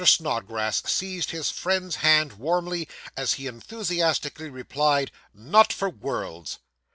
Snodgrass seized his friend's hand warmly, as he enthusiastically replied, 'Not for worlds!